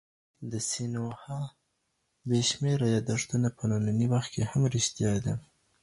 د سینوهه بې شمېره یاداښتونه په ننني وخت کي هم رښتیا دي.